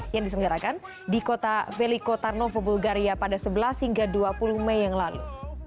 yang disenggarakan di kota velico tarnovo bulgaria pada sebelas hingga dua puluh mei yang lalu